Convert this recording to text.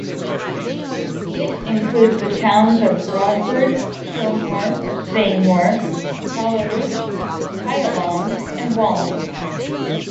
It includes the towns of Broadford, Kilmore, Seymour, Tallarook, Pyalong and Wallan.